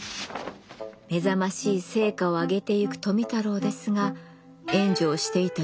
目覚ましい成果を上げてゆく富太郎ですが援助をしていた実家は倒産。